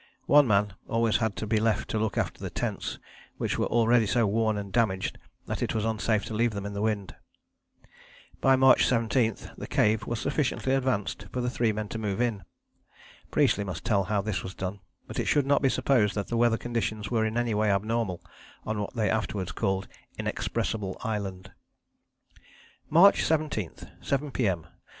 One man always had to be left to look after the tents, which were already so worn and damaged that it was unsafe to leave them in the wind. By March 17 the cave was sufficiently advanced for three men to move in. Priestley must tell how this was done, but it should not be supposed that the weather conditions were in any way abnormal on what they afterwards called Inexpressible Island: "March 17. 7 P.M.